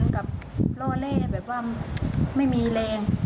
กับล่อเล่แบบว่าไม่มีแรง